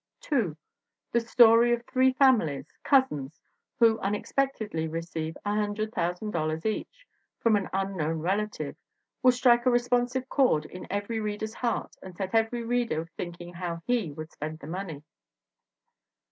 2. The story of three families cousins who un expectedly receive $100,000 each from an unknown relative, will strike a responsive chord in every reader's heart and set every reader thinking how he would spend the money.